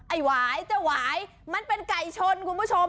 ไอไหวจะวายมันเป็นไก่ชนคุณผู้ชม